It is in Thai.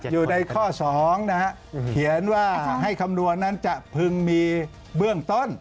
อยู่ในข้อ๒นะฮะเขียนว่าให้คำนวณนั้นจะพึงมีเบื้องต้น